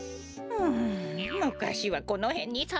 うんむかしはこのへんにさいてたのに。